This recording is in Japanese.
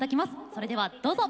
それではどうぞ！